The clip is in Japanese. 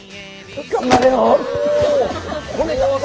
頑張れよ！